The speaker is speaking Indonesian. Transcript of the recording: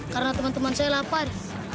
karena teman teman saya lapar